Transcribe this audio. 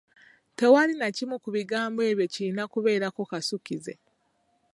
Tewali na kimu ku bigambo ebyo kirina kubeerako kasukkize.